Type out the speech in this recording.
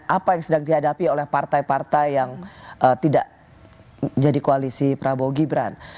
apa yang sedang dihadapi oleh partai partai yang tidak jadi koalisi prabowo gibran